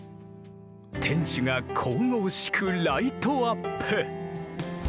天守が神々しくライトアップ。